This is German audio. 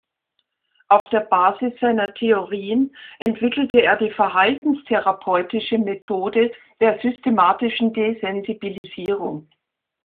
Auf der Basis seiner Theorien entwickelte er die verhaltenstherapeutische Methode der Systematischen Desensibilisierung.